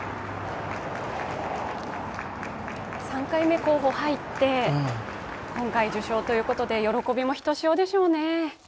３回目の候補に入って、今回受賞ということで喜びもひとしおでしょうね。